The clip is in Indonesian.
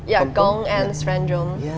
ya kong dan slendro